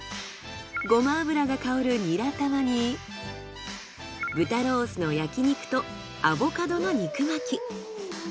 ゴマ油が香るニラ玉に豚ロースの焼肉とアボカドの肉巻き。